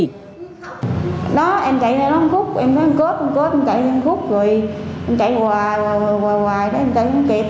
rồi em chạy hoài hoài hoài hoài hoài em chạy không kịp